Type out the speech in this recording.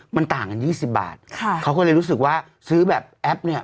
มันต่างกันยี่สิบบาทค่ะเขาก็เลยรู้สึกว่าซื้อแบบแอปเนี่ย